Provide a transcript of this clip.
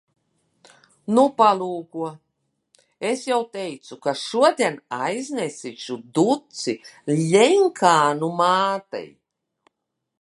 Nu, palūko. Es jau teicu, ka šodien aiznesīšu duci Ļenkanu mātei.